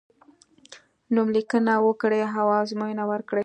نوم لیکنه وکړی او ازموینه ورکړی.